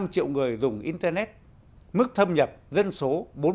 bốn mươi năm năm triệu người dùng internet mức thâm nhập dân số bốn mươi tám